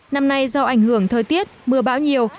năm nay do ảnh hưởng thời tiết mưa bão nhiều